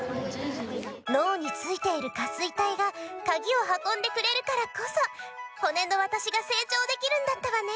脳についている下垂体がカギをはこんでくれるからこそ骨のわたしが成長できるんだったわね。